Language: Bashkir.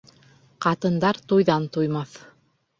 Ҡатындар туйҙан туймаҫ.